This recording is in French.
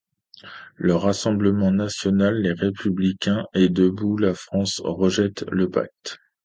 Le Rassemblement national, Les Républicains et Debout la France rejettent le pacte.